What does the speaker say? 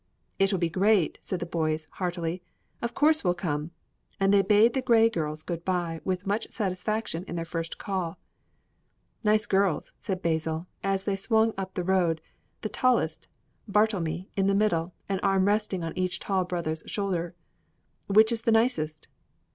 "It will be great!" said the boys, heartily. "Of course we'll come." And they bade the Grey girls good by, with much satisfaction in their first call. "Nice girls," said Basil, as they swung up the road, the tallest, Bartlemy, in the middle, an arm resting on each tall brother's shoulder. "Which is the nicest?"